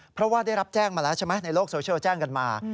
เพราะว่าได้รับแจ้งมาแล้วใช่ไหมในโลกโซเชียลแจ้งกันมา